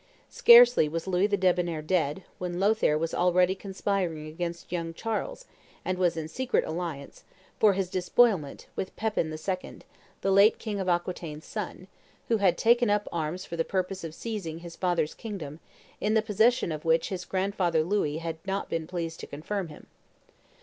Scarcely was Louis the Debonnair dead, when Lothaire was already conspiring against young Charles, and was in secret alliance, for his despoilment, with Pepin II., the late king of Aquitaine's son, who had taken up arms for the purpose of seizing his father's kingdom, in the possession of which his grandfather Louis had not been pleased to confirm him.